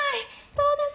そうだす。